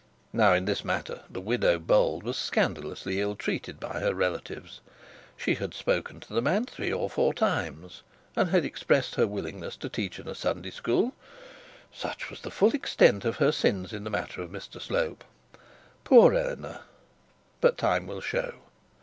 Now in this matter, the widow Bold was scandalously ill treated by her relatives. She had spoken to the man three or four times, and had expressed her willingness to teach in a Sunday school. Such was the full extent of her sins in the matter of Mr Slope. Poor Eleanor! But time will show.